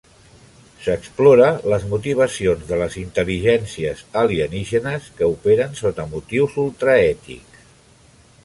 S'explora les motivacions de les intel·ligències alienígenes que operen sota motius ultraètics.